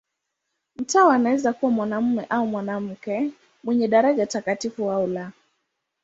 Mtawa anaweza kuwa mwanamume au mwanamke, mwenye daraja takatifu au la.